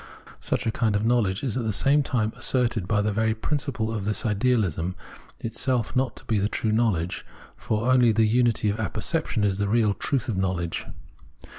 Such a kind of knowledge is at the same time asserted by the very principle of this ideahsm itself not to be true knowledge ; for only the unity of apperception is the real truth of knowledge.